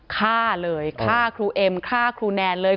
ฆ่าเลยฆ่าครูเอ็มฆ่าครูแนนเลย